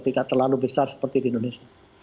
tidak terlalu besar seperti di indonesia